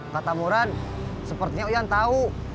kata murad sepertinya uyan tahu